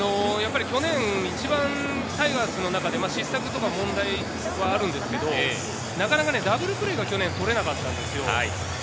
去年一番タイガースの中で失策とか問題はあるんですけど、なかなかダブルプレーが取れなかったんですよ。